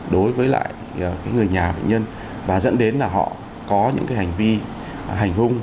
đối với lại người nhà bệnh nhân và dẫn đến là họ có những hành vi hành hung